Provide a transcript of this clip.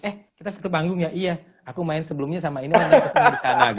eh kita satu panggung ya iya aku main sebelumnya sama ini main ketemu di sana